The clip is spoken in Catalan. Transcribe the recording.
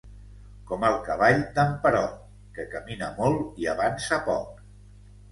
Com el cavall d'en Perot, que camina molt i avança poc.